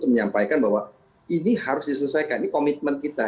menyampaikan bahwa ini harus diselesaikan ini komitmen kita